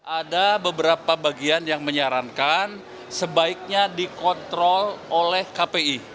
ada beberapa bagian yang menyarankan sebaiknya dikontrol oleh kpi